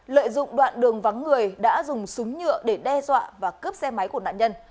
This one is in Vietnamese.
lợi dụng đoạn đường vắng người đã dùng súng nhựa để đe dọa và cướp xe máy của nạn nhân